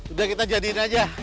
udah kita jadiin aja